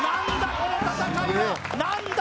この戦いは何だ